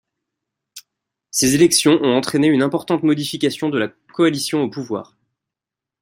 Ces élections ont entraîné une importante modification de la coalition au pouvoir.